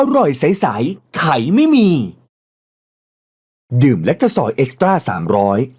อร่อยใสใสไข่ไม่มีดื่มและกะซอยเอ็กซ์ตร่าสามร้อย